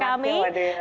terima kasih wadidah